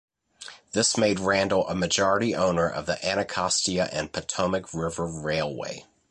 This made Randle a majority owner of the Anacostia and Potomac River Railway.